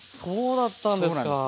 そうだったんですか。